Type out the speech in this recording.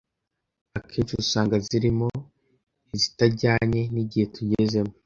akenshi usanga zirimo izitajyanye n’igihe tugezemo